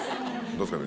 どうですか？